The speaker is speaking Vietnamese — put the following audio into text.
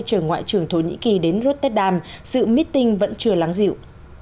chở ngoại trưởng thổ nhĩ kỳ đến rotterdam sự mít tinh vẫn chưa lắng dịu